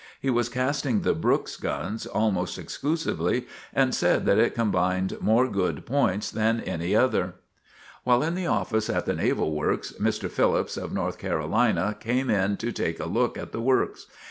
He was casting the Brooks gun almost exclusively and said that it combined more good points than any other. While in the office at the Naval Works, Mr. Phillips, of North Carolina, came in to take a look at the works.